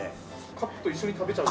カップと一緒に食べちゃう。